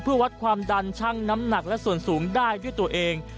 เพื่อวัดความดันช่างน้ำหนักและส่วนสูงได้ด้วยตัวเอง